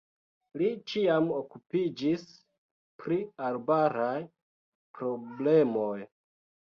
Li ĉiam okupiĝis pri arbaraj problemoj.